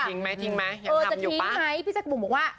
ทิ้งไหมทิ้งไหมยังทำอยู่ป่ะเออจะทิ้งไหมพี่จักรบุ้มบอกว่า